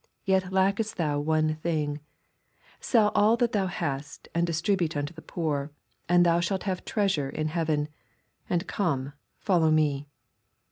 Yet lackest thou one thing : sell all that thou h8£t, and distribute unto the poor, and thou shalt have treasure in hea ven : and come, follow me.